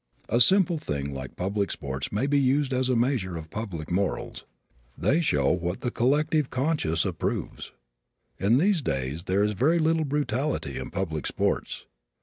A simple thing like public sports may be used as a measure of public morals. They show what the collective conscience approves. In these days there is very little of brutality in public sports.